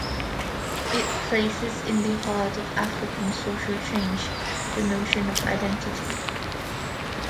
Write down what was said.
It places in the heart of African social change the notion of "identity".